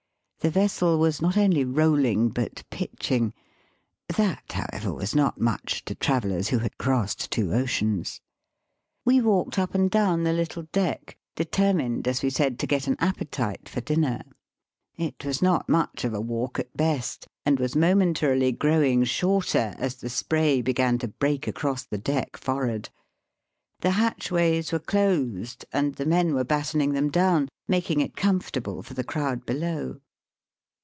The vessel was not only roUing, but pitching. That, how ever, was not much to travellers who had crossed two oceans. We walked up and down the little deck, Digitized by VjOOQIC BY SEA AND LAND TO KIOTO, 43 determined, as we said, to get an appetite for dinner. It was not much of a walk at best, and was momentarily growing shorter as, the spray began to break across the deck for'ard. The hatchways were closed, and the men were battening them down, making it comfortable for the crowd below.